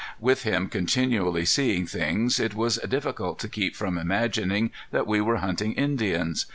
With him continually seeing things it was difficult to keep from imagining that we were hunting Indians.